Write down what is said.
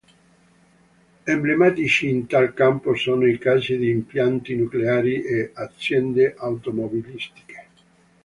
Emblematici in tal campo sono i casi di impianti nucleari o aziende automobilistiche.